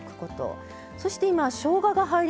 そして今しょうがが入りました。